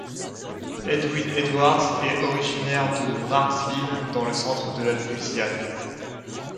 Edwin Edwards est originaire de Marksville dans le centre de la Louisiane.